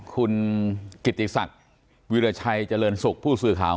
ก็ตายเปล่า